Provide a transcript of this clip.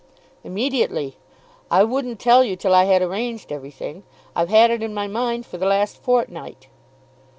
"Immediately. I wouldn't tell you till I had arranged everything. I've had it in my mind for the last fortnight."